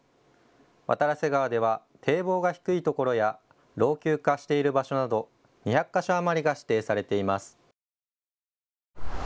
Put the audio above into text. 渡良瀬川では堤防が低いところや老朽化している場所など２００か所余りが指定されています。